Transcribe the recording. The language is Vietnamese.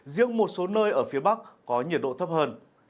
riêng một số nơi ở phía bắc có nhiệt độ thấp hơn